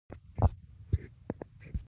دې پروسې ته د پانګې ټولونه ویل کېږي